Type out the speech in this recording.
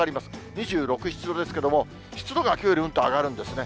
２６、７度ですけれども、湿度がきょうより、うんと上がるんですね。